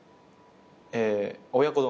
え親子丼。